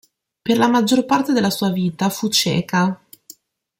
Per la maggior parte della sua vita fu cieca.